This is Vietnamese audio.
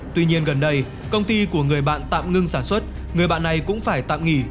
tuy nhiên gần đây công ty của người bạn tạm ngưng sản xuất người bạn này cũng phải tạm nghỉ